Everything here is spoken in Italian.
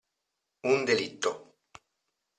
Un delitto!